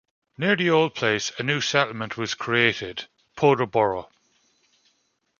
Near the old place a new settlement was created, "Podobora".